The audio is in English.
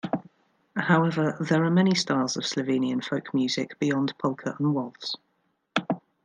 However, there are many styles of Slovenian folk music beyond polka and waltz.